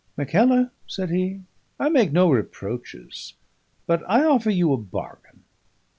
"Mackellar," said he, "I make no reproaches, but I offer you a bargain.